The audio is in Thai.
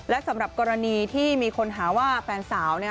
และสำหรับกรณีที่มีคนหาว่าแฟนสาว